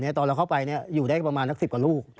อยู่ได้ประมาณก็ศิกประมาณ๑๐กว่าลูก